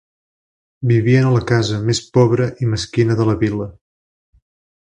Vivien a la casa més pobra i mesquina de la vila.